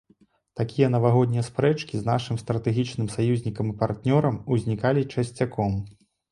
Такія навагоднія спрэчкі з нашым стратэгічным саюзнікам і партнёрам узнікалі часцяком.